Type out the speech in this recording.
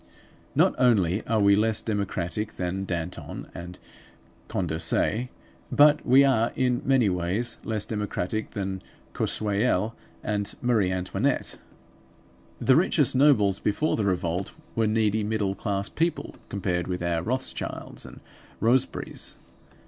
Not only are we less democratic than Danton and Condorcet, but we are in many ways less democratic than Choiseul and Marie Antoinette. The richest nobles before the revolt were needy middle class people compared with our Rothschilds and Roseberys.